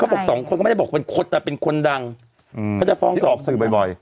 เขาบอกสองคนก็ไม่ได้บอกว่าเป็นคนอ่ะเป็นคนดังอืมที่ออกสื่อบ่อยบ่อย